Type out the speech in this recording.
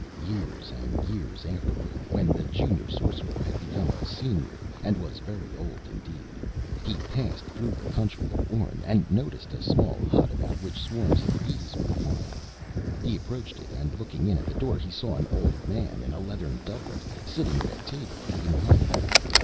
Years and years afterward, when the Junior Sorcerer had become a Senior and was very old indeed, he passed through the country of Orn, and noticed a small hut about which swarms of bees were flying. He approached it, and looking in at the door he saw an old man in a leathern doublet, sitting at a table, eating honey.